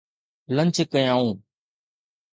lunch ڪيائون